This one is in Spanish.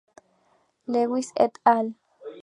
Lewis et al.